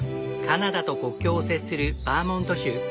カナダと国境を接するバーモント州。